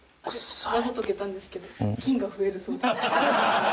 謎解けたんですけど菌が増えるそうです。